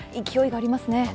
勢いがありますね。